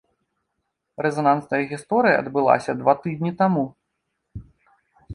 Рэзанансная гісторыя адбылася два тыдні таму.